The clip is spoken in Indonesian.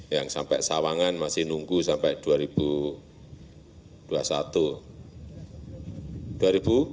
yang sampai sawangan masih nunggu sampai dua ribu dua puluh satu